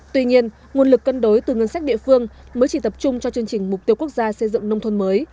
tuy nhiên nguồn lực cân đối từ ngân sách địa phương mới chỉ tập trung cho chương trình mục tiêu quốc gia xây dựng nông thôn mới